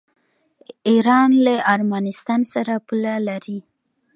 ایران له ارمنستان سره پوله لري.